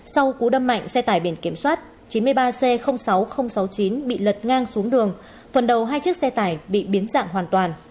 sau cú đâm mạnh xe tải biển kiểm soát chín mươi ba c sáu nghìn sáu mươi chín bị lật ngang xuống đường phần đầu hai chiếc xe tải bị biến dạng hoàn toàn